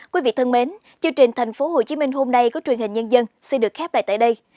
quý vị thân mến chương trình thành phố hồ chí minh hôm nay của truyền hình nhân dân sẽ được khép lại tại đây